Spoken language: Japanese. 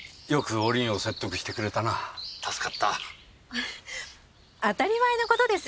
フフッ当たり前の事です！